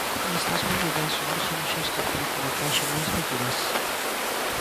Con estas medidas, o órgano xestor procura que haxa máis liquidez.